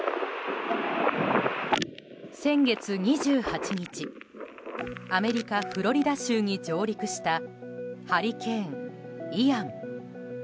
先月２８日アメリカ・フロリダ州に上陸したハリケーン、イアン。